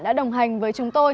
đã đồng hành với chúng tôi